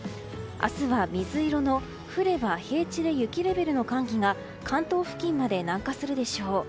明日は水色の降れば平地で雪レベルの寒気が関東付近まで南下するでしょう。